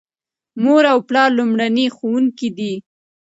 مور او پلار لومړني ښوونکي دي.